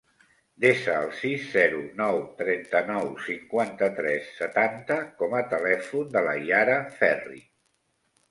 Desa el sis, zero, nou, trenta-nou, cinquanta-tres, setanta com a telèfon de la Yara Ferri.